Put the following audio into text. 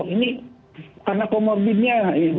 ini karena komorbidnya